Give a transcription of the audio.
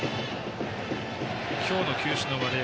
今日の球種の割合。